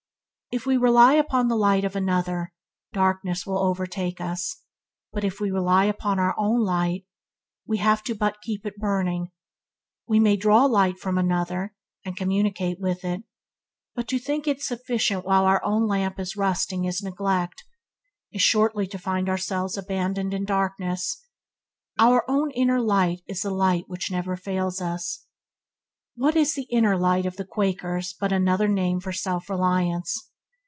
If we rely upon the light of another, darkness will over take us, but if we rely upon our own light we have but to keep it burning. We may both draw light from another and communicate it, but to think it sufficient while our own lamp is rusting in neglect, is shortly to find ourselves abandoned in darkness. Our own inner light is the light which never fails us. What is the "inner light" of the Quakers but another name for self reliance?